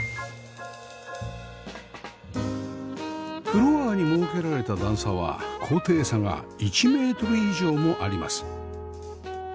フロアに設けられた段差は高低差が１メートル以上もあります